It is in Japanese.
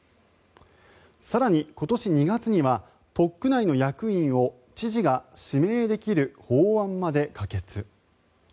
更に、今年２月には特区内の役員を知事が指名できる法案まで可決。